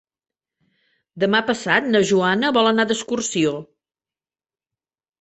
Demà passat na Joana vol anar d'excursió.